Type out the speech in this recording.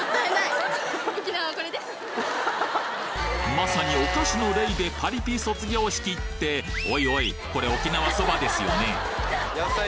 まさにお菓子のレイでパリピ卒業式っておいおいこれ沖縄そばですよね？